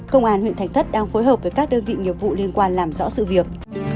công an huyện thạch thất đang phối hợp với các đơn vị nghiệp vụ liên quan làm rõ sự việc